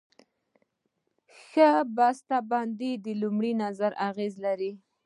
ښه بسته بندي د لومړي نظر اغېز لري.